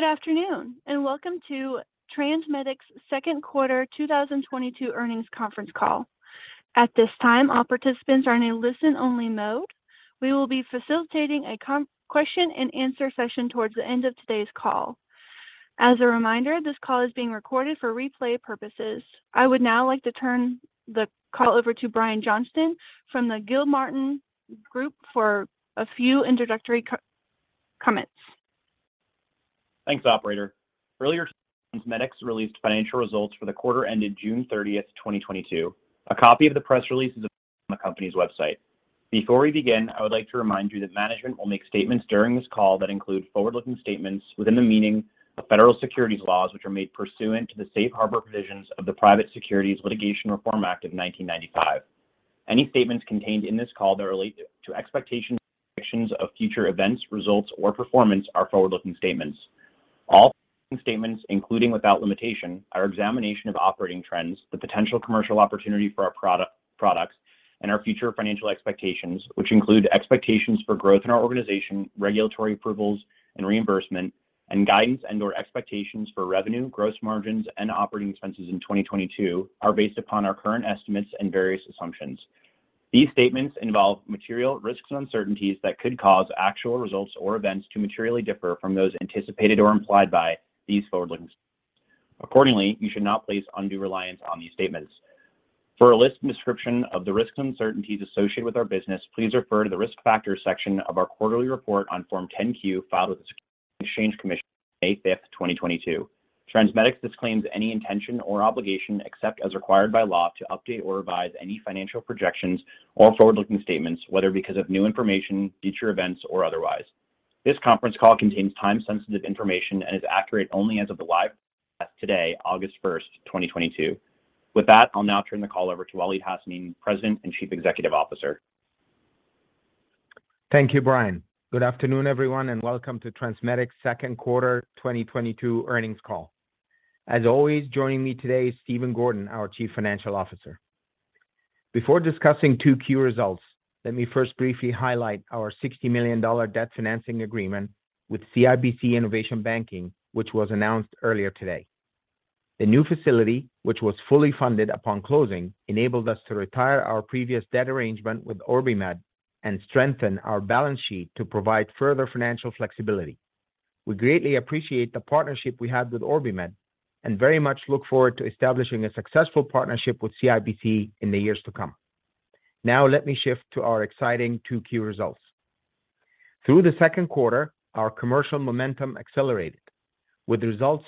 Good afternoon, and welcome to TransMedics' Second Quarter 2022 Earnings Conference Call. At this time, all participants are in a listen-only mode. We will be facilitating a question and answer session towards the end of today's call. As a reminder, this call is being recorded for replay purposes. I would now like to turn the call over to Brian Johnston from the Gilmartin Group for a few introductory comments. Thanks, operator. Earlier, TransMedics released financial results for the quarter ended June 30, 2022. A copy of the press release is available on the company's website. Before we begin, I would like to remind you that management will make statements during this call that include forward-looking statements within the meaning of federal securities laws, which are made pursuant to the Safe Harbor provisions of the Private Securities Litigation Reform Act of 1995. Any statements contained in this call that relate to expectations or predictions of future events, results, or performance are forward-looking statements. All forward-looking statements, including without limitation, our examination of operating trends, the potential commercial opportunity for our products, and our future financial expectations, which include expectations for growth in our organization, regulatory approvals and reimbursement, and guidance and/or expectations for revenue, gross margins, and operating expenses in 2022 are based upon our current estimates and various assumptions. These statements involve material risks and uncertainties that could cause actual results or events to materially differ from those anticipated or implied by these forward-looking statements. Accordingly, you should not place undue reliance on these statements. For a list and description of the risks and uncertainties associated with our business, please refer to the Risk Factors Section of our quarterly report on Form 10-Q filed with the Securities and Exchange Commission on May 5, 2022. TransMedics disclaims any intention or obligation, except as required by law, to update or revise any financial projections or forward-looking statements, whether because of new information, future events, or otherwise. This conference call contains time-sensitive information and is accurate only as of the live broadcast today, August 1, 2022. With that, I'll now turn the call over to Waleed Hassanein, President and Chief Executive Officer. Thank you, Brian. Good afternoon, everyone, and welcome to TransMedics' second quarter 2022 earnings call. As always, joining me today is Stephen Gordon, our Chief Financial Officer. Before discussing Q2 results, let me first briefly highlight our $60 million debt financing agreement with CIBC Innovation Banking, which was announced earlier today. The new facility, which was fully funded upon closing, enabled us to retire our previous debt arrangement with OrbiMed and strengthen our balance sheet to provide further financial flexibility. We greatly appreciate the partnership we have with OrbiMed and very much look forward to establishing a successful partnership with CIBC in the years to come. Now let me shift to our exciting Q2 results. Through the second quarter, our commercial momentum accelerated, with results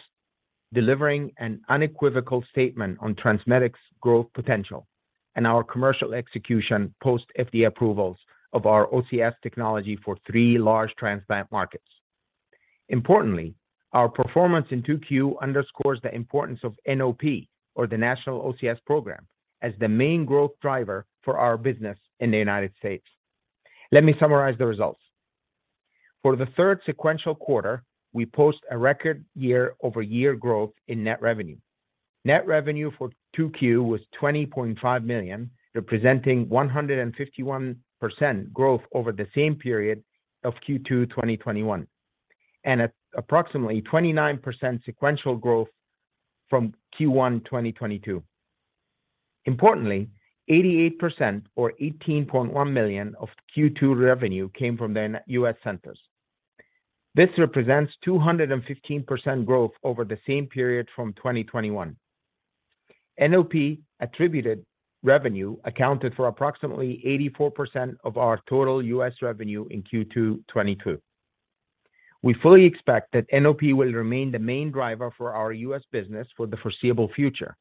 delivering an unequivocal statement on TransMedics' growth potential and our commercial execution post-FDA approvals of our OCS technology for three large transplant markets. Importantly, our performance in Q2 underscores the importance of NOP, or the National OCS Program, as the main growth driver for our business in the United States. Let me summarize the results. For the third sequential quarter, we posted a record year-over-year growth in net revenue. Net revenue for Q2 was $20.5 million, representing 151% growth over the same period of Q2 2021, and approximately 29% sequential growth from Q1 2022. Importantly, 88% or $18.1 million of Q2 revenue came from the U.S. centers. This represents 215% growth over the same period from 2021. NOP-attributed revenue accounted for approximately 84% of our total U.S. revenue in Q2 2022. We fully expect that NOP will remain the main driver for our U.S. business for the foreseeable future.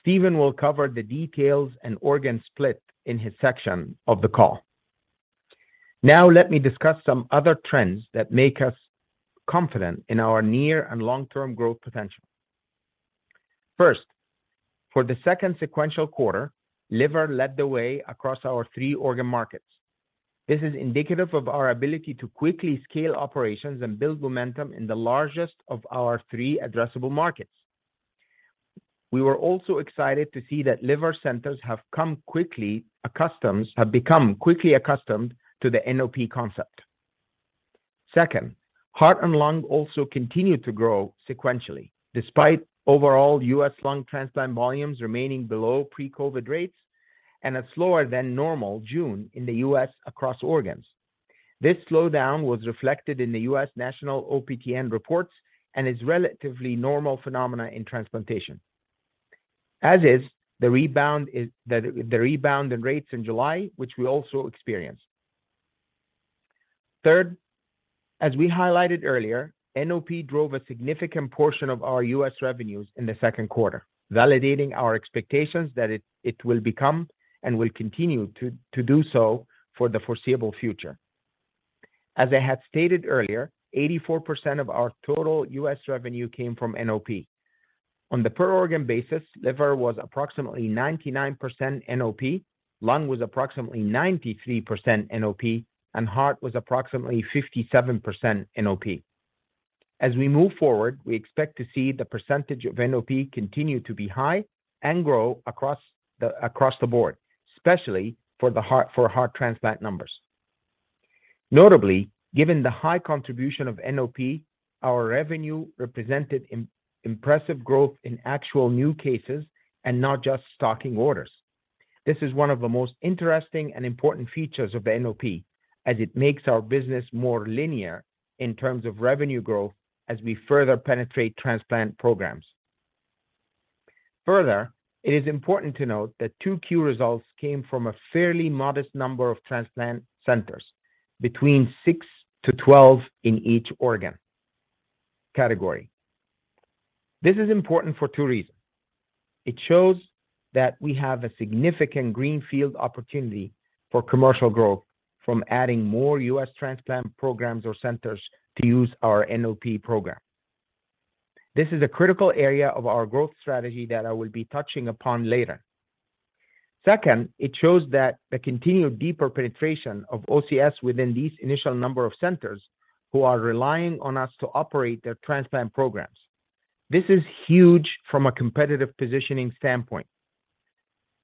Stephen will cover the details and organ split in his section of the call. Now let me discuss some other trends that make us confident in our near and long-term growth potential. First, for the second sequential quarter, liver led the way across our three organ markets. This is indicative of our ability to quickly scale operations and build momentum in the largest of our three addressable markets. We were also excited to see that liver centers have become quickly accustomed to the NOP concept. Second, heart and lung also continued to grow sequentially despite overall U.S. lung transplant volumes remaining below pre-COVID rates and a slower-than-normal June in the U.S. across organs. This slowdown was reflected in the U.S. national OPTN reports and is relatively normal phenomena in transplantation. As is the rebound in rates in July, which we also experienced. Third, as we highlighted earlier, NOP drove a significant portion of our U.S. revenues in the second quarter, validating our expectations that it will become and will continue to do so for the foreseeable future. As I had stated earlier, 84% of our total U.S. revenue came from NOP. On the per-organ basis, liver was approximately 99% NOP, lung was approximately 93% NOP, and heart was approximately 57% NOP. As we move forward, we expect to see the percentage of NOP continue to be high and grow across the board, especially for heart transplant numbers. Notably, given the high contribution of NOP, our revenue represented impressive growth in actual new cases and not just stocking orders. This is one of the most interesting and important features of NOP as it makes our business more linear in terms of revenue growth as we further penetrate transplant programs. Further, it is important to note that 2Q results came from a fairly modest number of transplant centers between 6-12 in each organ category. This is important for two reasons. It shows that we have a significant greenfield opportunity for commercial growth from adding more U.S. transplant programs or centers to use our NOP program. This is a critical area of our growth strategy that I will be touching upon later. Second, it shows that the continued deeper penetration of OCS within these initial number of centers who are relying on us to operate their transplant programs. This is huge from a competitive positioning standpoint.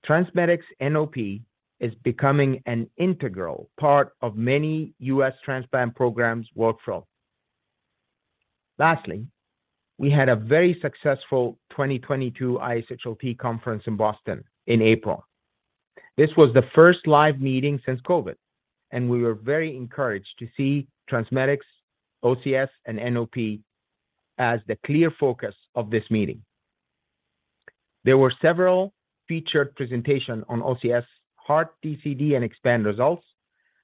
TransMedics NOP is becoming an integral part of many U.S. transplant programs' workflow. Lastly, we had a very successful 2022 ISHLT conference in Boston in April. This was the first live meeting since COVID, and we were very encouraged to see TransMedics OCS and NOP as the clear focus of this meeting. There were several featured presentations on OCS Heart DCD and EXPAND results,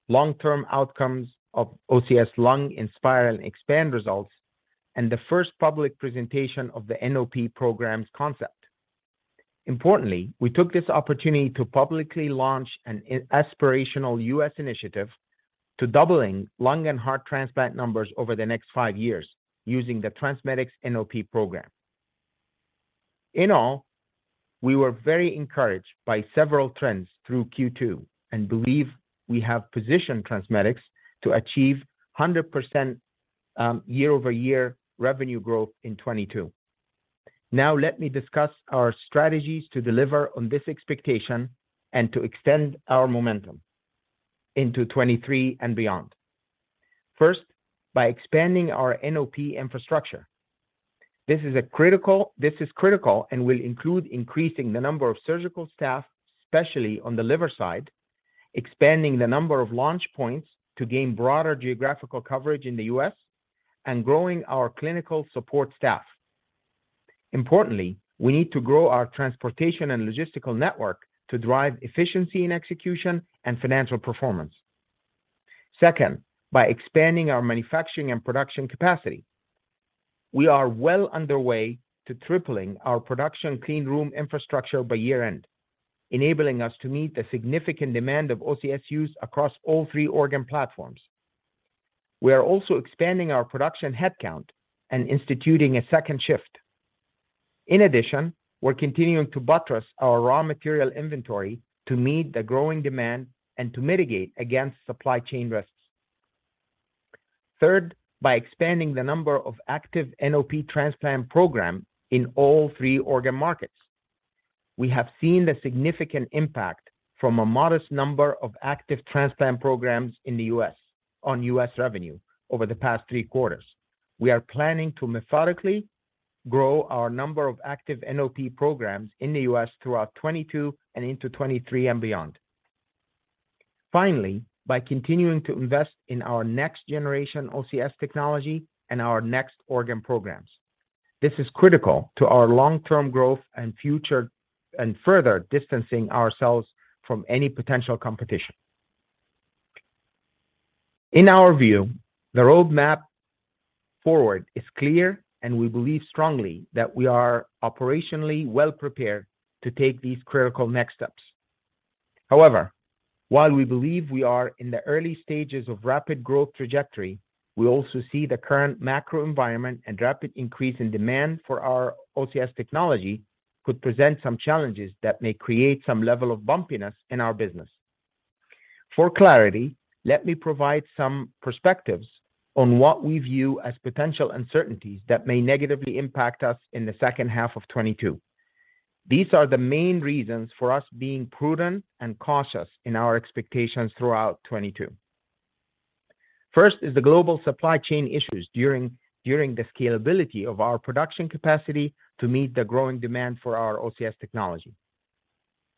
long-term outcomes of OCS Lung INSPIRE and EXPAND results, and the first public presentation of the NOP program's concept. Importantly, we took this opportunity to publicly launch an aspirational U.S. initiative to doubling lung and heart transplant numbers over the next five years using the TransMedics NOP program. In all, we were very encouraged by several trends through Q2 and believe we have positioned TransMedics to achieve 100% year-over-year revenue growth in 2022. Now let me discuss our strategies to deliver on this expectation and to extend our momentum into 2023 and beyond. First, by expanding our NOP infrastructure. This is critical and will include increasing the number of surgical staff, especially on the liver side, expanding the number of launch points to gain broader geographical coverage in the U.S., and growing our clinical support staff. Importantly, we need to grow our transportation and logistical network to drive efficiency in execution and financial performance. Second, by expanding our manufacturing and production capacity. We are well underway to tripling our production clean room infrastructure by year-end, enabling us to meet the significant demand of OCS use across all three organ platforms. We are also expanding our production headcount and instituting a second shift. In addition, we're continuing to buttress our raw material inventory to meet the growing demand and to mitigate against supply chain risks. Third, by expanding the number of active NOP transplant program in all three organ markets. We have seen the significant impact from a modest number of active transplant programs in the U.S. on U.S. revenue over the past three quarters. We are planning to methodically grow our number of active NOP programs in the U.S. throughout 2022 and into 2023 and beyond. Finally, by continuing to invest in our next generation OCS technology and our next organ programs. This is critical to our long-term growth and future and further distancing ourselves from any potential competition. In our view, the roadmap forward is clear, and we believe strongly that we are operationally well prepared to take these critical next steps. However, while we believe we are in the early stages of rapid growth trajectory, we also see the current macro environment and rapid increase in demand for our OCS technology could present some challenges that may create some level of bumpiness in our business. For clarity, let me provide some perspectives on what we view as potential uncertainties that may negatively impact us in the second half of 2022. These are the main reasons for us being prudent and cautious in our expectations throughout 2022. First is the global supply chain issues during the scalability of our production capacity to meet the growing demand for our OCS technology.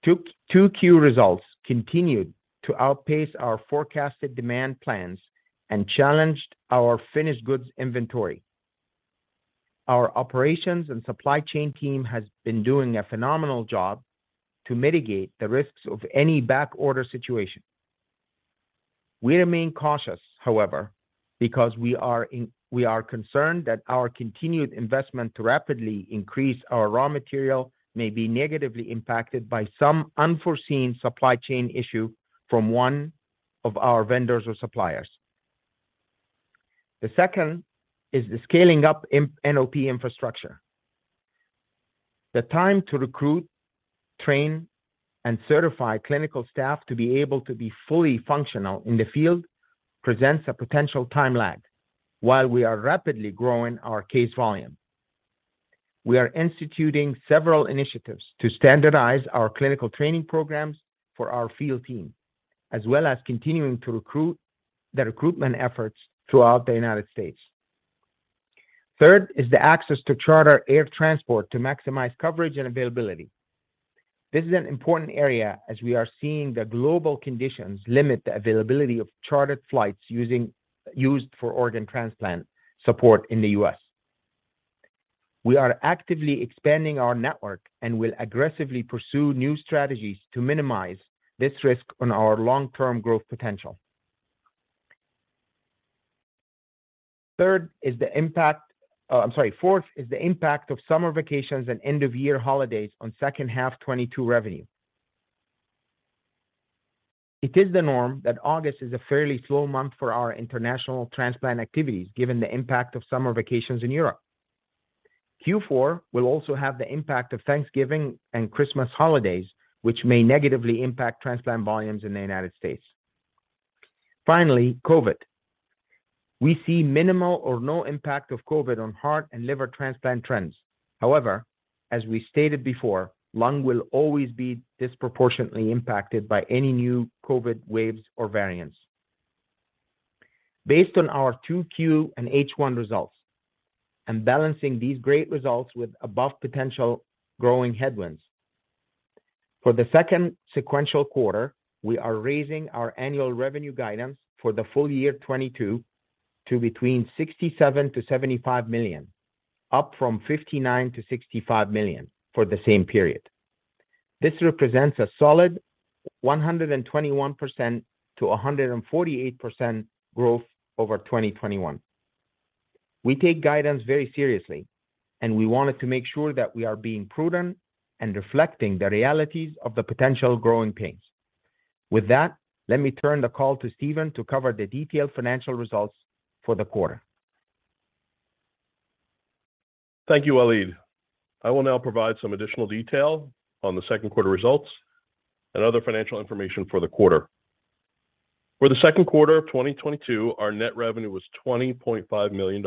2Q results continued to outpace our forecasted demand plans and challenged our finished goods inventory. Our operations and supply chain team has been doing a phenomenal job to mitigate the risks of any backorder situation. We remain cautious, however, because we are concerned that our continued investment to rapidly increase our raw material may be negatively impacted by some unforeseen supply chain issue from one of our vendors or suppliers. The second is the scaling up NOP infrastructure. The time to recruit, train, and certify clinical staff to be able to be fully functional in the field presents a potential time lag while we are rapidly growing our case volume. We are instituting several initiatives to standardize our clinical training programs for our field team, as well as continuing our recruitment efforts throughout the United States. Third is the access to charter air transport to maximize coverage and availability. This is an important area as we are seeing the global conditions limit the availability of chartered flights used for organ transplant support in the U.S. We are actively expanding our network and will aggressively pursue new strategies to minimize this risk on our long-term growth potential. Third is the impact. Oh, I'm sorry. Fourth is the impact of summer vacations and end-of-year holidays on second half 2022 revenue. It is the norm that August is a fairly slow month for our international transplant activities, given the impact of summer vacations in Europe. Q4 will also have the impact of Thanksgiving and Christmas holidays, which may negatively impact transplant volumes in the United States. Finally, COVID. We see minimal or no impact of COVID on heart and liver transplant trends. However, as we stated before, lung will always be disproportionately impacted by any new COVID waves or variants. Based on our Q2 and H1 results and balancing these great results with the above potential growing headwinds. For the second sequential quarter, we are raising our annual revenue guidance for the full year 2022 to between $67 million-$75 million, up from $59 million-$65 million for the same period. This represents a solid 121%-148% growth over 2021. We take guidance very seriously, and we wanted to make sure that we are being prudent and reflecting the realities of the potential growing pains. With that, let me turn the call to Stephen to cover the detailed financial results for the quarter. Thank you, Waleed. I will now provide some additional detail on the second quarter results and other financial information for the quarter. For the second quarter of 2022, our net revenue was $20.5 million.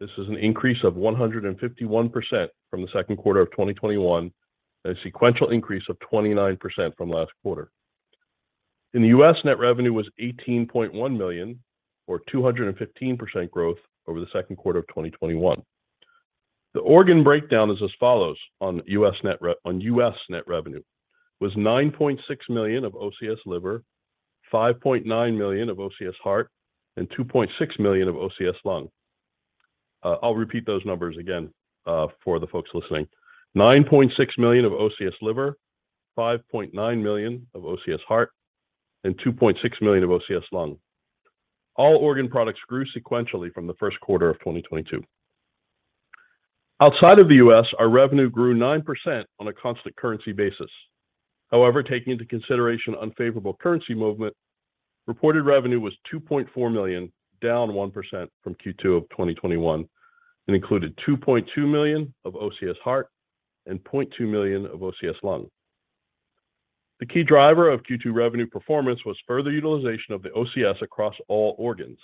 This is an increase of 151% from the second quarter of 2021, and a sequential increase of 29% from last quarter. In the U.S., net revenue was $18.1 million or 215% growth over the second quarter of 2021. The organ breakdown is as follows on U.S. net revenue, was $9.6 million of OCS Liver, $5.9 million of OCS Heart, and $2.6 million of OCS Lung. I'll repeat those numbers again, for the folks listening. $9.6 million of OCS Liver, $5.9 million of OCS Heart, and $2.6 million of OCS Lung. All organ products grew sequentially from the first quarter of 2022. Outside of the U.S., our revenue grew 9% on a constant currency basis. However, taking into consideration unfavorable currency movement, reported revenue was $2.4 million, down 1% from Q2 of 2021, and included $2.2 million of OCS Heart and $0.2 million of OCS Lung. The key driver of Q2 revenue performance was further utilization of the OCS across all organs.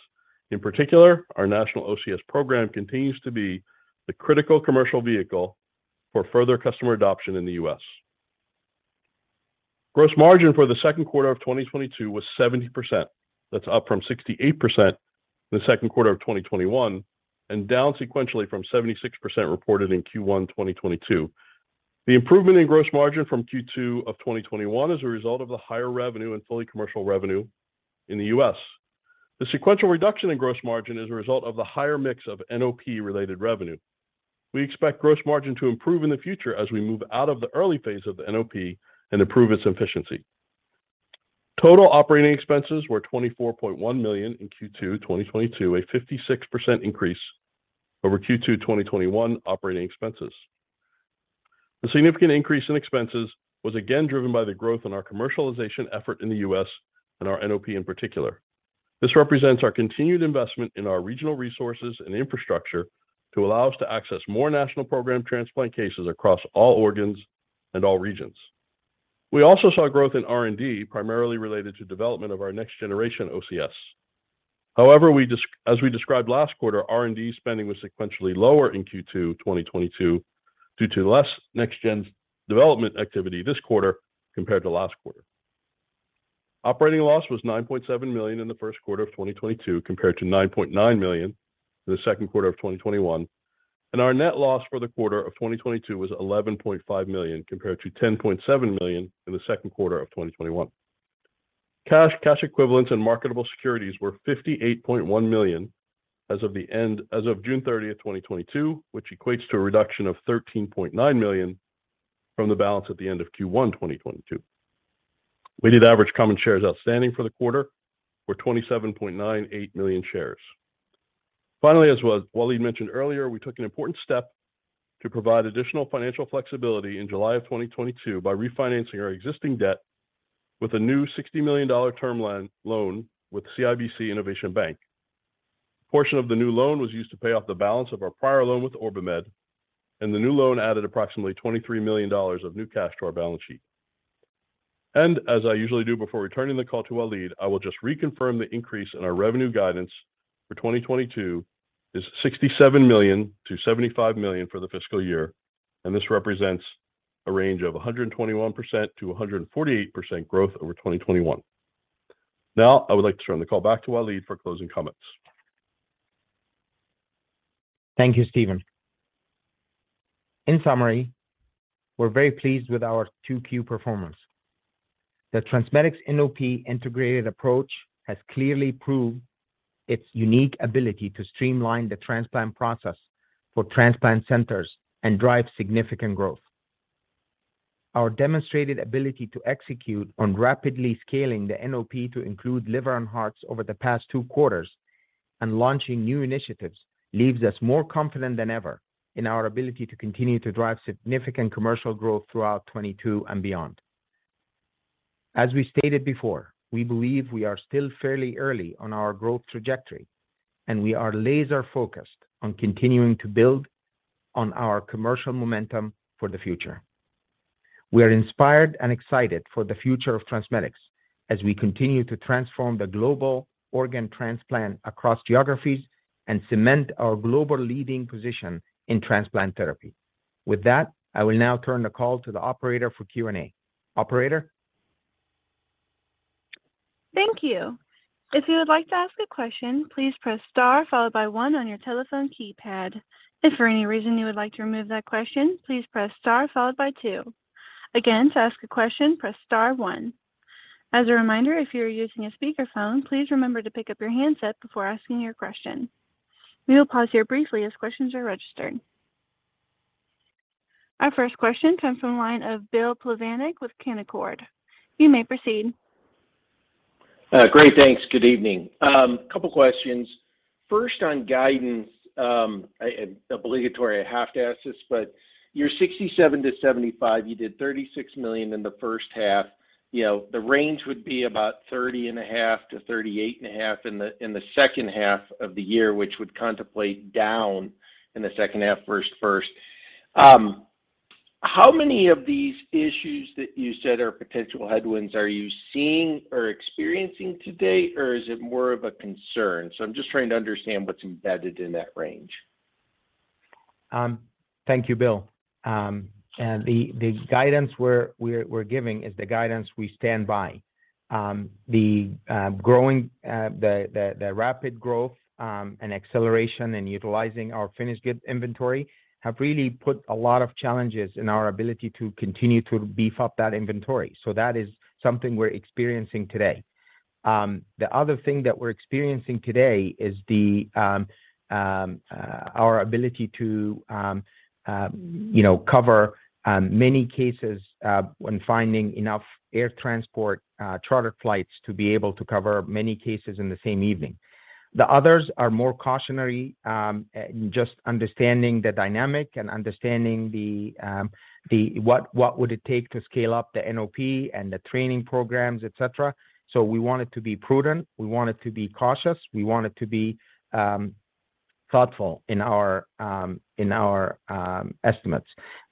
In particular, our National OCS Program continues to be the critical commercial vehicle for further customer adoption in the U.S. Gross margin for the second quarter of 2022 was 70%. That's up from 68% in the second quarter of 2021 and down sequentially from 76% reported in Q1 2022. The improvement in gross margin from Q2 of 2021 is a result of the higher revenue and fully commercial revenue in the U.S. The sequential reduction in gross margin is a result of the higher mix of NOP-related revenue. We expect gross margin to improve in the future as we move out of the early phase of the NOP and improve its efficiency. Total operating expenses were $24.1 million in Q2 2022, a 56% increase over Q2 2021 operating expenses. The significant increase in expenses was again driven by the growth in our commercialization effort in the U.S. and our NOP in particular. This represents our continued investment in our regional resources and infrastructure to allow us to access more national program transplant cases across all organs and all regions. We also saw growth in R&D, primarily related to development of our next generation OCS. However, as we described last quarter, R&D spending was sequentially lower in Q2, 2022 due to less next gen development activity this quarter compared to last quarter. Operating loss was $9.7 million in the first quarter of 2022, compared to $9.9 million in the second quarter of 2021. Our net loss for the quarter of 2022 was $11.5 million, compared to $10.7 million in the second quarter of 2021. Cash, cash equivalents, and marketable securities were $58.1 million as of June 30, 2022, which equates to a reduction of $13.9 million from the balance at the end of Q1 2022. Weighted average common shares outstanding for the quarter were 27.98 million shares. Finally, as Waleed mentioned earlier, we took an important step to provide additional financial flexibility in July 2022 by refinancing our existing debt with a new $60 million term loan with CIBC Innovation Banking. A portion of the new loan was used to pay off the balance of our prior loan with OrbiMed, and the new loan added approximately $23 million of new cash to our balance sheet. As I usually do before returning the call to Waleed, I will just reconfirm the increase in our revenue guidance for 2022 is $67 million-$75 million for the fiscal year, and this represents a range of 121%-148% growth over 2021. Now, I would like to turn the call back to Waleed for closing comments. Thank you, Stephen. In summary, we're very pleased with our 2Q performance. The TransMedics NOP integrated approach has clearly proved its unique ability to streamline the transplant process for transplant centers and drive significant growth. Our demonstrated ability to execute on rapidly scaling the NOP to include liver and hearts over the past two quarters and launching new initiatives leaves us more confident than ever in our ability to continue to drive significant commercial growth throughout 2022 and beyond. As we stated before, we believe we are still fairly early on our growth trajectory, and we are laser-focused on continuing to build on our commercial momentum for the future. We are inspired and excited for the future of TransMedics as we continue to transform the global organ transplant across geographies and cement our global leading position in transplant therapy. With that, I will now turn the call to the operator for Q&A. Operator? Thank you. If you would like to ask a question, please press star followed by one on your telephone keypad. If for any reason you would like to remove that question, please press star followed by two. Again, to ask a question, press star one. As a reminder, if you are using a speakerphone, please remember to pick up your handset before asking your question. We will pause here briefly as questions are registered. Our first question comes from the line of Bill Plovanic with Canaccord. You may proceed. Great. Thanks. Good evening. Couple questions. First, on guidance, and obligatory, I have to ask this, but you're $67-$75 million. You did $36 million in the first half. You know, the range would be about $30.5-$38.5 million in the second half of the year, which would contemplate down in the second half versus first. How many of these issues that you said are potential headwinds are you seeing or experiencing today, or is it more of a concern? I'm just trying to understand what's embedded in that range. Thank you, Bill. The guidance we're giving is the guidance we stand by. The rapid growth and acceleration in utilizing our finished goods inventory have really put a lot of challenges in our ability to continue to beef up that inventory. That is something we're experiencing today. The other thing that we're experiencing today is our ability to, you know, cover many cases when finding enough air transport charter flights to be able to cover many cases in the same evening. The others are more cautionary, just understanding the dynamic and understanding what would it take to scale up the NOP and the training programs, etc. We want it to be prudent, we want it to be cautious, we want it to be thoughtful in our estimates.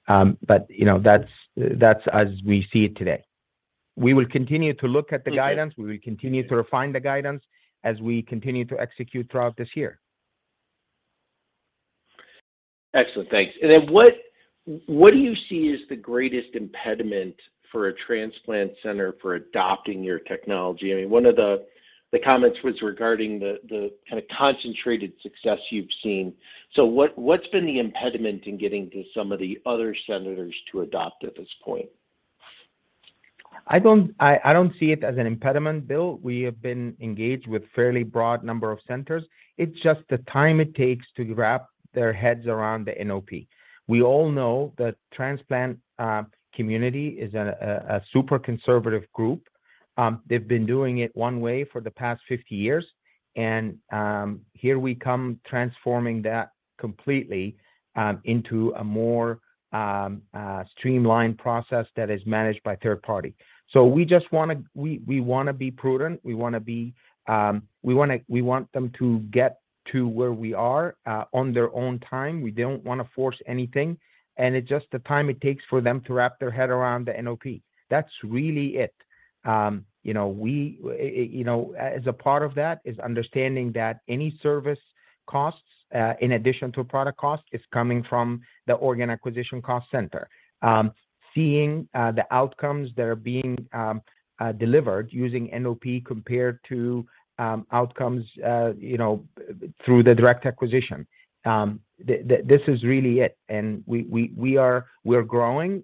You know, that's as we see it today. We will continue to look at the guidance. Okay. We will continue to refine the guidance as we continue to execute throughout this year. Excellent. Thanks. What do you see as the greatest impediment for a transplant center for adopting your technology? I mean, one of the comments was regarding the kind of concentrated success you've seen. What’s been the impediment in getting to some of the other centers to adopt at this point? I don't see it as an impediment, Bill. We have been engaged with fairly broad number of centers. It's just the time it takes to wrap their heads around the NOP. We all know the transplant community is a super conservative group. They've been doing it one way for the past 50 years, and here we come transforming that completely into a more streamlined process that is managed by third party. We just wanna be prudent. We want them to get to where we are on their own time. We don't wanna force anything. It's just the time it takes for them to wrap their head around the NOP. That's really it. You know, we you know as a part of that is understanding that any service costs, in addition to product costs, is coming from the Organ Acquisition Cost Center. Seeing the outcomes that are being delivered using NOP compared to outcomes, you know, through the direct acquisition. This is really it. We are growing,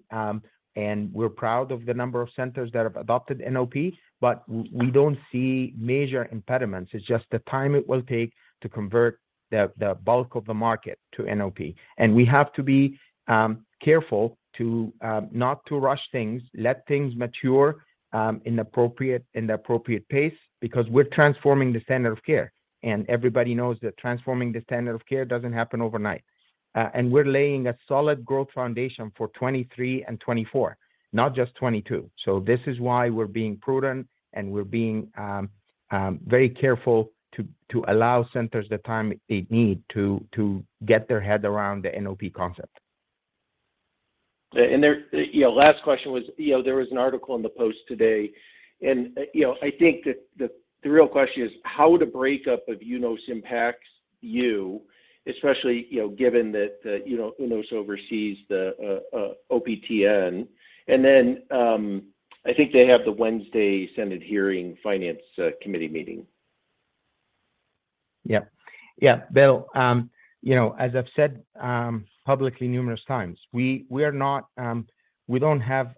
and we're proud of the number of centers that have adopted NOP, but we don't see major impediments. It's just the time it will take to convert the bulk of the market to NOP. We have to be careful not to rush things, let things mature in the appropriate pace, because we're transforming the standard of care. Everybody knows that transforming the standard of care doesn't happen overnight. We're laying a solid growth foundation for 2023 and 2024, not just 2022. This is why we're being prudent and we're being very careful to allow centers the time they need to get their head around the NOP concept. You know, the last question was, you know, there was an article in the Post today, and, you know, I think that the real question is how would a breakup of UNOS impact you, especially, you know, given that, you know, UNOS oversees the OPTN. Then, I think they have the Wednesday Senate Finance Committee hearing. Yeah. Yeah. Bill, you know, as I've said publicly numerous times, we are not, we don't have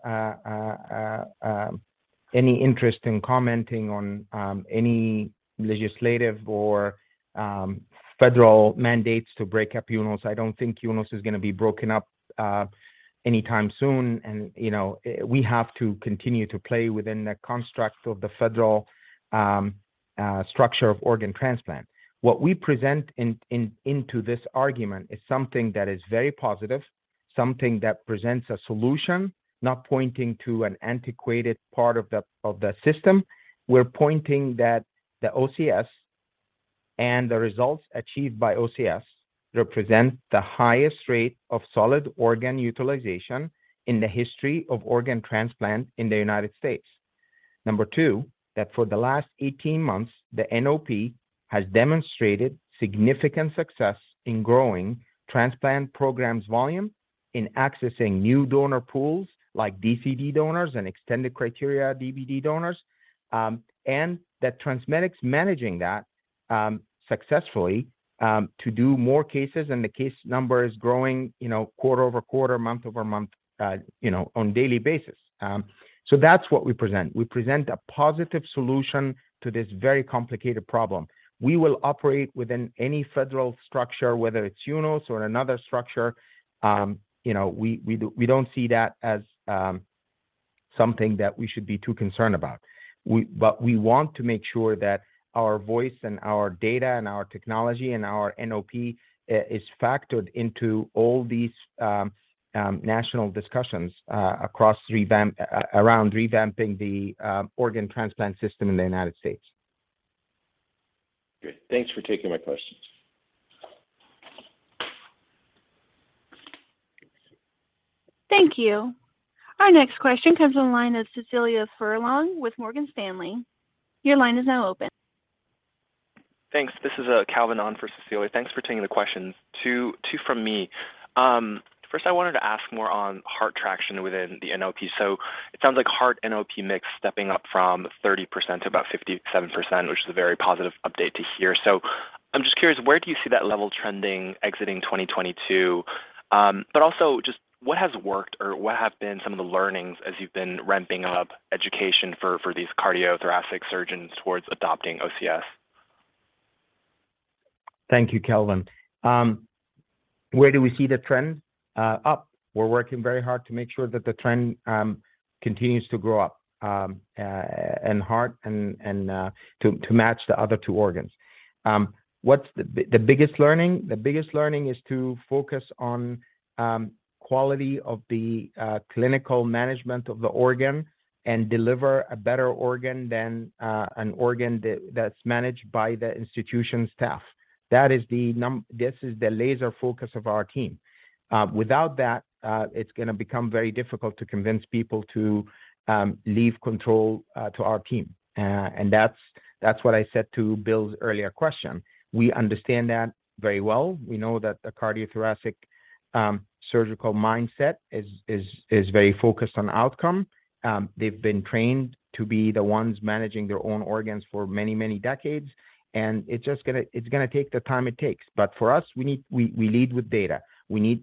any interest in commenting on any legislative or federal mandates to break up UNOS. I don't think UNOS is gonna be broken up anytime soon. You know, we have to continue to play within the construct of the federal structure of organ transplant. What we present into this argument is something that is very positive, something that presents a solution, not pointing to an antiquated part of the system. We're pointing that the OCS and the results achieved by OCS represent the highest rate of solid organ utilization in the history of organ transplant in the United States. Number 2, that for the last 18 months, the NOP has demonstrated significant success in growing transplant programs volume in accessing new donor pools like DCD donors and extended criteria DBD donors. And that TransMedics managing that, successfully, to do more cases, and the case number is growing, you know, quarter-over-quarter, month-over-month, you know, on daily basis. That's what we present. We present a positive solution to this very complicated problem. We will operate within any federal structure, whether it's UNOS or another structure. You know, we don't see that as something that we should be too concerned about. We want to make sure that our voice and our data and our technology and our NOP is factored into all these national discussions around revamping the organ transplant system in the United States. Great. Thanks for taking my questions. Thank you. Our next question comes on the line of Cecilia Furlong with Morgan Stanley. Your line is now open. Thanks. This is, Calvin on for Cecilia. Thanks for taking the questions. Two from me. First, I wanted to ask more on heart traction within the NOP. It sounds like heart NOP mix stepping up from 30% to about 57%, which is a very positive update to hear. I'm just curious, where do you see that level trending exiting 2022? But also just what has worked or what have been some of the learnings as you've been ramping up education for these cardiothoracic surgeons towards adopting OCS? Thank you, Calvin. Where do we see the trend? Up. We're working very hard to make sure that the trend continues to grow up and heart to match the other two organs. What's the biggest learning? The biggest learning is to focus on quality of the clinical management of the organ and deliver a better organ than an organ that's managed by the institution staff. This is the laser focus of our team. Without that, it's gonna become very difficult to convince people to leave control to our team. That's what I said to Bill's earlier question. We understand that very well. We know that the cardiothoracic surgical mindset is very focused on outcome. They've been trained to be the ones managing their own organs for many, many decades, and it's just gonna take the time it takes. For us, we lead with data. We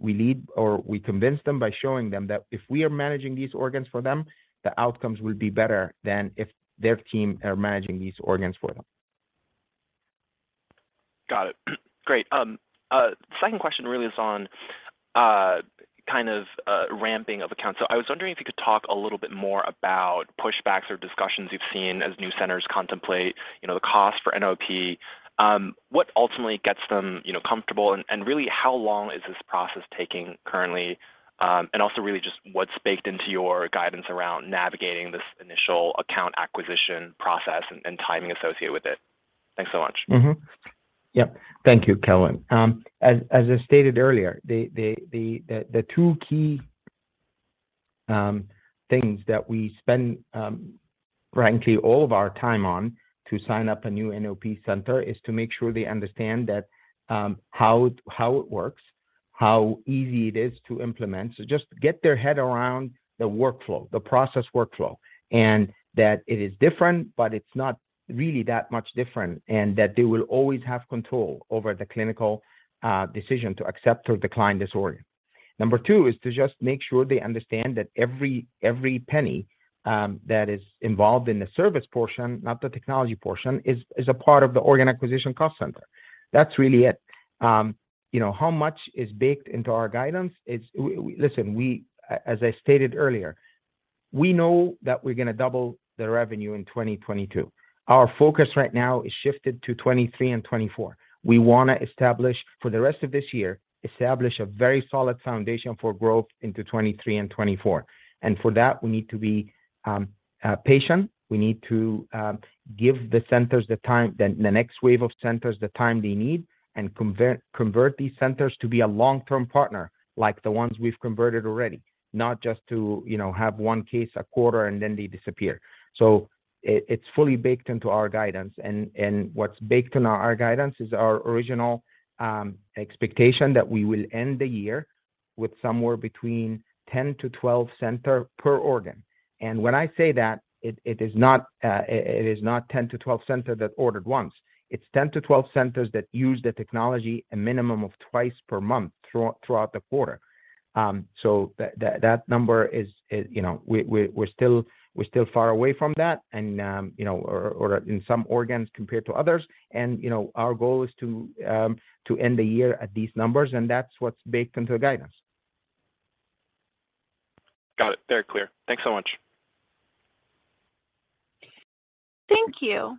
lead or we convince them by showing them that if we are managing these organs for them, the outcomes will be better than if their team are managing these organs for them. Got it. Great. Second question really is on kind of ramping of accounts. I was wondering if you could talk a little bit more about pushbacks or discussions you've seen as new centers contemplate, you know, the cost for NOP. What ultimately gets them, you know, comfortable, and really how long is this process taking currently? And also really just what's baked into your guidance around navigating this initial account acquisition process and timing associated with it? Thanks so much. Mm-hmm. Yep. Thank you, Calvin. As I stated earlier, the two key things that we spend frankly all of our time on to sign up a new NOP center is to make sure they understand that how it works, how easy it is to implement. Just get their head around the workflow, the process workflow, and that it is different, but it's not really that much different and that they will always have control over the clinical decision to accept or decline this organ. Number two is to just make sure they understand that every penny that is involved in the service portion, not the technology portion, is a part of the Organ Acquisition Cost Center. That's really it. You know, how much is baked into our guidance? As I stated earlier, we know that we're gonna double the revenue in 2022. Our focus right now is shifted to 2023 and 2024. We wanna establish for the rest of this year a very solid foundation for growth into 2023 and 2024. For that we need to be patient. We need to give the next wave of centers the time they need and convert these centers to be a long-term partner like the ones we've converted already, not just to, you know, have one case a quarter and then they disappear. It's fully baked into our guidance and what's baked in our guidance is our original expectation that we will end the year with somewhere between 10-12 centers per organ. When I say that, it is not 10-12 centers that ordered once. It's 10-12 centers that use the technology a minimum of twice per month throughout the quarter. That number is, you know, we're still far away from that and, you know, or in some organs compared to others. You know, our goal is to end the year at these numbers, and that's what's baked into the guidance. Got it. Very clear. Thanks so much. Thank you.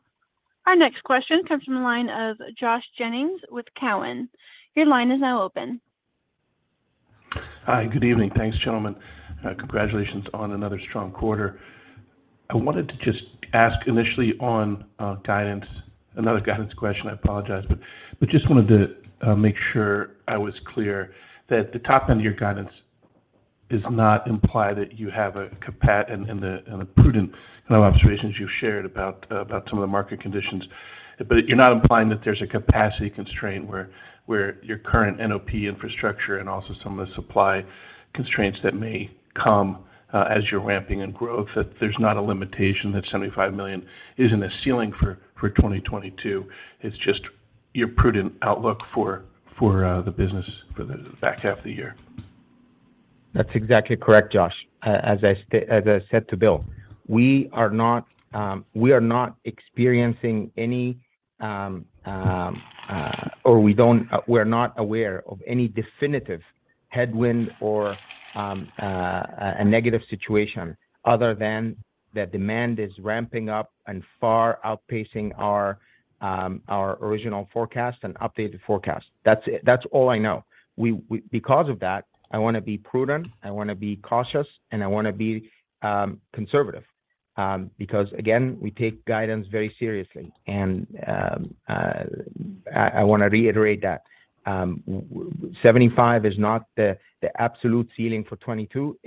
Our next question comes from the line of Josh Jennings with Cowen. Your line is now open. Hi, good evening. Thanks, gentlemen. Congratulations on another strong quarter. I wanted to just ask initially on guidance, another guidance question, I apologize, but just wanted to make sure I was clear that the top end of your guidance does not imply that you have a capacity and the prudent observations you've shared about some of the market conditions. You're not implying that there's a capacity constraint where your current NOP infrastructure and also some of the supply constraints that may come as you're ramping in growth, that there's not a limitation, that $75 million isn't a ceiling for 2022. It's just your prudent outlook for the business for the back half of the year. That's exactly correct, Josh. As I said to Bill, we are not experiencing any or we're not aware of any definitive headwind or a negative situation other than the demand is ramping up and far outpacing our original forecast and updated forecast. That's it. That's all I know. Because of that, I wanna be prudent, I wanna be cautious, and I wanna be conservative. Because again, we take guidance very seriously. I want to reiterate that 75 is not the absolute ceiling for 2022.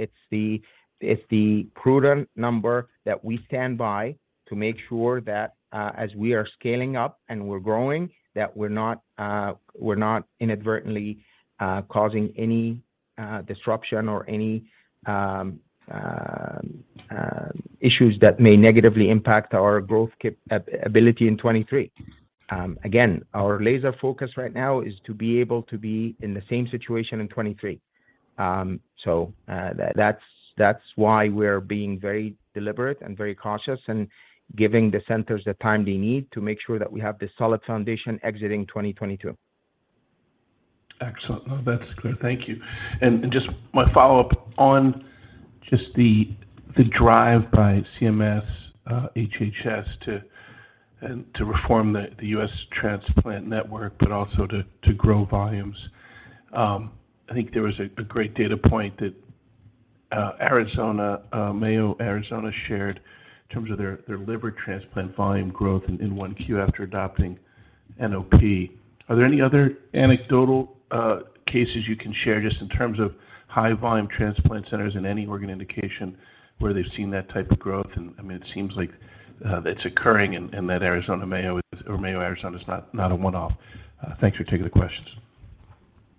It's the prudent number that we stand by to make sure that as we are scaling up and we're growing, that we're not inadvertently causing any disruption or any issues that may negatively impact our growth capability in 2023. Again, our laser focus right now is to be able to be in the same situation in 2023. So that's why we're being very deliberate and very cautious and giving the centers the time they need to make sure that we have this solid foundation exiting 2022. Excellent. No, that's clear. Thank you. Just my follow-up on just the drive by CMS, HHS to reform the U.S. transplant network, but also to grow volumes. I think there was a great data point that Arizona Mayo Arizona shared in terms of their liver transplant volume growth in one Q after adopting NOP. Are there any other anecdotal cases you can share just in terms of high volume transplant centers in any organ indication where they've seen that type of growth? I mean, it seems like it's occurring and that Arizona Mayo is, or Mayo Arizona is not a one-off. Thanks for taking the questions.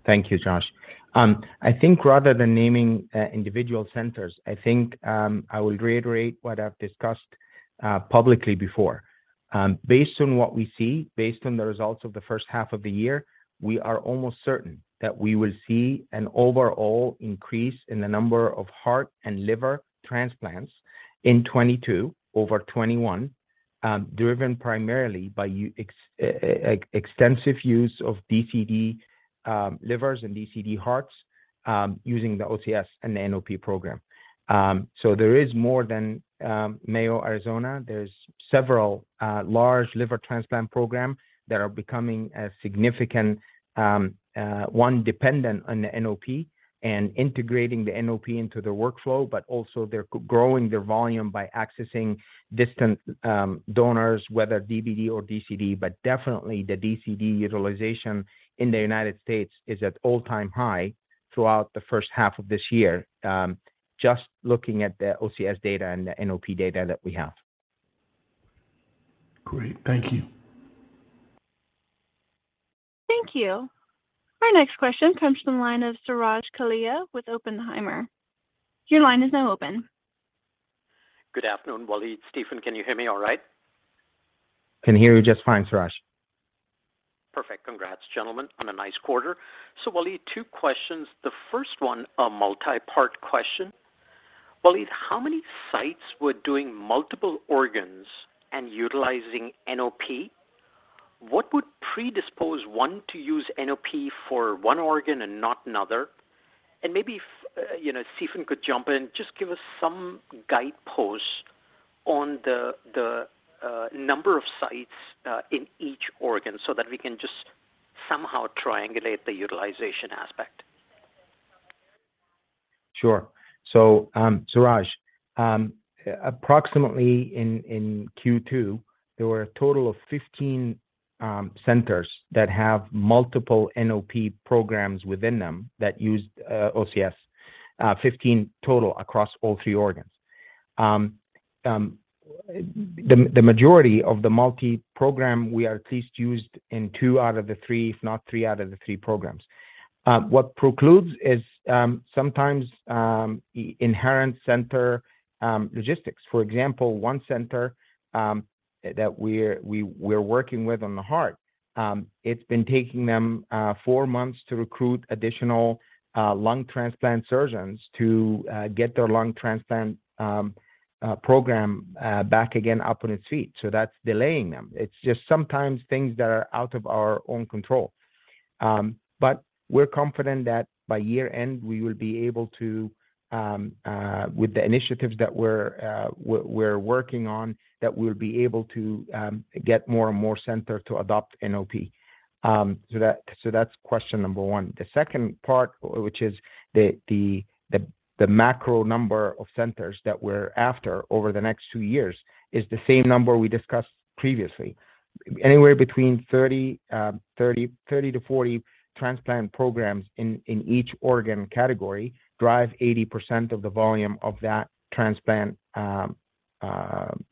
Thank you, Josh. I think rather than naming individual centers, I think I will reiterate what I've discussed publicly before. Based on what we see, based on the results of the first half of the year, we are almost certain that we will see an overall increase in the number of heart and liver transplants in 2022 over 2021, driven primarily by extensive use of DCD livers and DCD hearts, using the OCS and the NOP program. There is more than Mayo Clinic Arizona. There's several large liver transplant programs that are becoming a significant ones dependent on the NOP and integrating the NOP into their workflow, but also they're growing their volume by accessing distant donors, whether DBD or DCD. Definitely the DCD utilization in the United States is at all-time high throughout the first half of this year, just looking at the OCS data and the NOP data that we have. Great. Thank you. Thank you. Our next question comes from the line of Suraj Kalia with Oppenheimer. Your line is now open. Good afternoon, Waleed, Stephen, can you hear me all right? Can hear you just fine, Suraj. Perfect. Congrats, gentlemen, on a nice quarter. Waleed, two questions. The first one, a multi-part question. Waleed, how many sites were doing multiple organs and utilizing NOP? What would predispose one to use NOP for one organ and not another? And maybe you know, Stephen could jump in, just give us some guidepost on the number of sites in each organ so that we can just somehow triangulate the utilization aspect. Sure. Suraj, approximately in Q2, there were a total of 15 centers that have multiple NOP programs within them that used OCS, 15 total across all three organs. The majority of the multi-program we are at least used in two out of the three, if not three out of the three programs. What precludes is sometimes inherent center logistics. For example, one center that we're working with on the heart, it's been taking them 4 months to recruit additional lung transplant surgeons to get their lung transplant program back again up on its feet. That's delaying them. It's just sometimes things that are out of our own control. We're confident that by year-end, we will be able to, with the initiatives that we're working on, get more and more centers to adopt NOP. That's question number one. The second part, which is the macro number of centers that we're after over the next 2 years, is the same number we discussed previously. Anywhere between 30-40 transplant programs in each organ category drive 80% of the volume of that transplant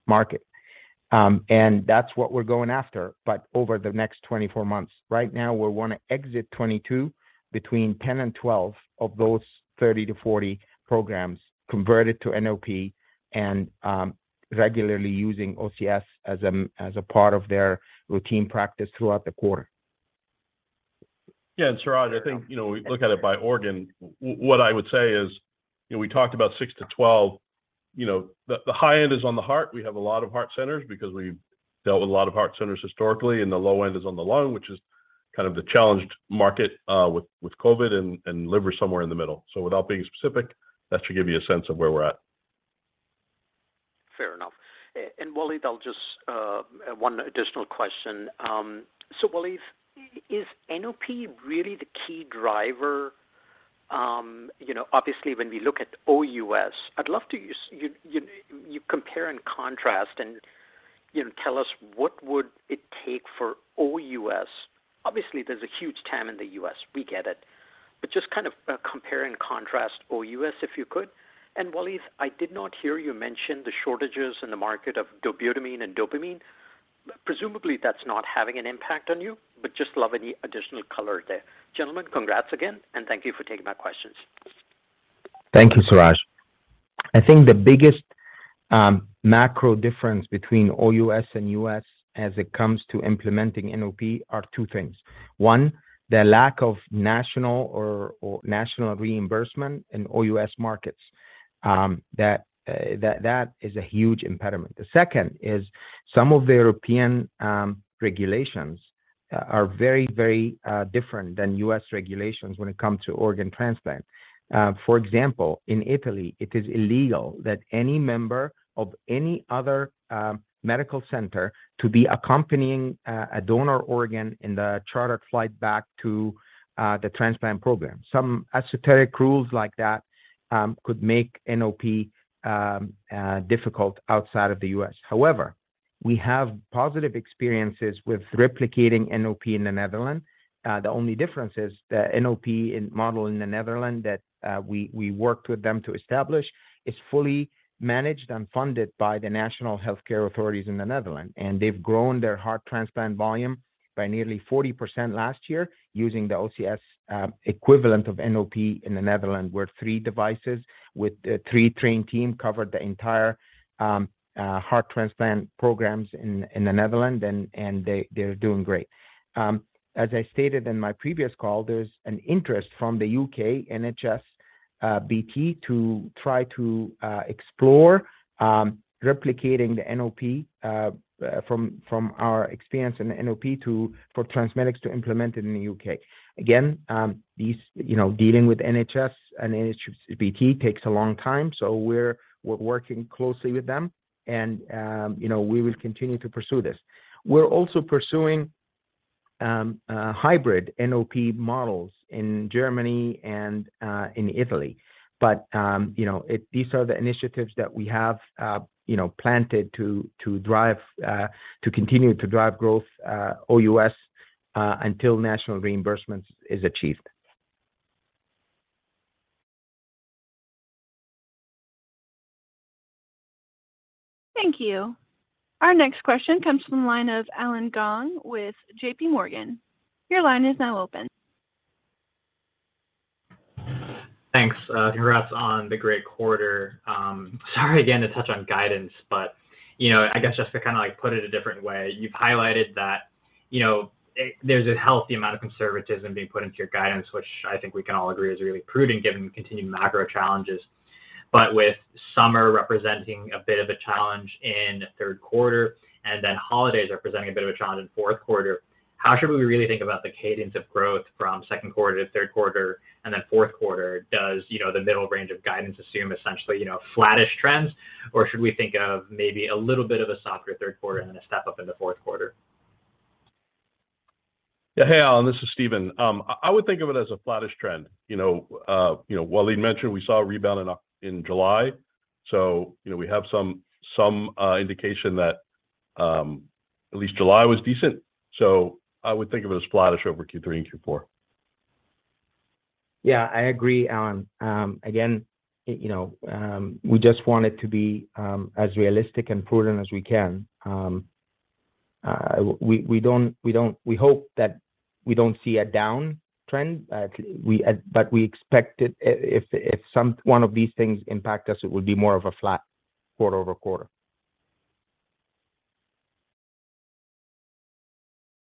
market. That's what we're going after over the next 24 months. Right now, we want to exit 22 between 10 and 12 of those 30 to 40 programs converted to NOP and regularly using OCS as a part of their routine practice throughout the quarter. Yeah, Suraj, I think, you know, we look at it by organ. What I would say is, you know, we talked about 6-12. You know, the high end is on the heart. We have a lot of heart centers because we've dealt with a lot of heart centers historically, and the low end is on the lung, which is kind of the challenged market with COVID and liver somewhere in the middle. Without being specific, that should give you a sense of where we're at. Fair enough. Waleed, I'll just one additional question. Waleed, is NOP really the key driver? You know, obviously, when we look at OUS, I'd love you compare and contrast and, you know, tell us what would it take for OUS. Obviously, there's a huge TAM in the U.S., we get it. Just kind of compare and contrast OUS if you could. Waleed, I did not hear you mention the shortages in the market of dobutamine and dopamine. Presumably, that's not having an impact on you, but just love any additional color there. Gentlemen, congrats again, and thank you for taking my questions. Thank you, Suraj. I think the biggest macro difference between OUS and US as it comes to implementing NOP are two things. One, the lack of national reimbursement in OUS markets that is a huge impediment. The second is some of the European regulations are very different than US regulations when it comes to organ transplant. For example, in Italy, it is illegal that any member of any other medical center to be accompanying a donor organ in the chartered flight back to the transplant program. Some esoteric rules like that could make NOP difficult outside of the US. However, we have positive experiences with replicating NOP in the Netherlands. The only difference is the NOP model in the Netherlands that we worked with them to establish is fully managed and funded by the national healthcare authorities in the Netherlands. They've grown their heart transplant volume by nearly 40% last year using the OCS equivalent of NOP in the Netherlands, where 3 devices with a 3 trained team covered the entire heart transplant programs in the Netherlands, and they're doing great. As I stated in my previous call, there's an interest from the U.K. NHSBT to try to explore replicating the NOP from our experience in the NOP for TransMedics to implement it in the U.K.. Again, these, you know, dealing with NHS and NHSBT takes a long time, so we're working closely with them and, you know, we will continue to pursue this. We're also pursuing hybrid NOP models in Germany and in Italy. These are the initiatives that we have planned to drive to continue to drive growth OUS until national reimbursement is achieved. Thank you. Our next question comes from the line of Allen Gong with JPMorgan. Your line is now open. Thanks. Congrats on the great quarter. Sorry again to touch on guidance, but, you know, I guess just to kind of like put it a different way, you've highlighted that, you know, there's a healthy amount of conservatism being put into your guidance, which I think we can all agree is really prudent given the continued macro challenges. With summer representing a bit of a challenge in third quarter and then holidays representing a bit of a challenge in fourth quarter, how should we really think about the cadence of growth from second quarter to third quarter and then fourth quarter? Does, you know, the middle range of guidance assume essentially, you know, flattish trends? Or should we think of maybe a little bit of a softer third quarter and a step up in the fourth quarter? Yeah. Hey, Allen, this is Stephen. I would think of it as a flattish trend. You know, Waleed mentioned we saw a rebound in July. You know, we have some indication that at least July was decent. I would think of it as flattish over Q3 and Q4. Yeah, I agree, Allen. Again, you know, we just want it to be as realistic and prudent as we can. We hope that we don't see a down trend. We expect it. If one of these things impact us, it will be more of a flat quarter-over-quarter.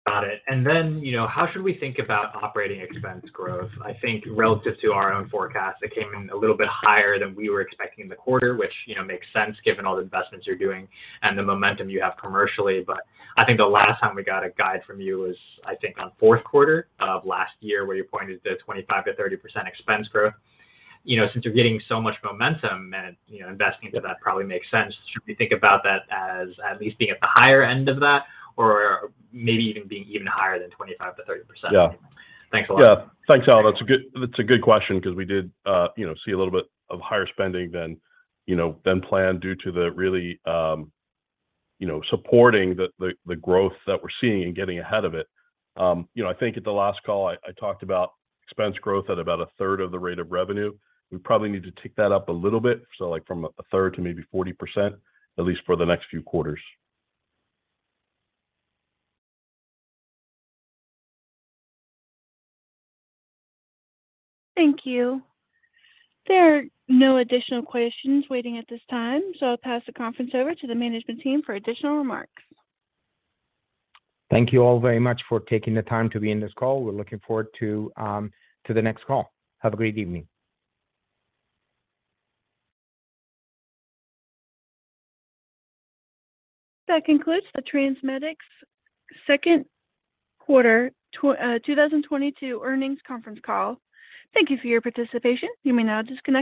Got it. Then, you know, how should we think about operating expense growth? I think relative to our own forecast, it came in a little bit higher than we were expecting in the quarter, which, you know, makes sense given all the investments you're doing and the momentum you have commercially. I think the last time we got a guide from you was, I think, on fourth quarter of last year, where you pointed to 25%-30% expense growth. You know, since you're getting so much momentum and, you know, investing into that probably makes sense, should we think about that as at least being at the higher end of that or maybe even being even higher than 25%-30%? Yeah. Thanks a lot. Yeah. Thanks, Allen. That's a good question because we did, you know, see a little bit of higher spending than, you know, than planned due to really, you know, supporting the growth that we're seeing and getting ahead of it. You know, I think at the last call, I talked about expense growth at about a third of the rate of revenue. We probably need to tick that up a little bit, so like from a third to maybe 40%, at least for the next few quarters. Thank you. There are no additional questions waiting at this time, so I'll pass the conference over to the management team for additional remarks. Thank you all very much for taking the time to be in this call. We're looking forward to the next call. Have a great evening. That concludes the TransMedics second quarter 2022 earnings conference call. Thank you for your participation. You may now disconnect your-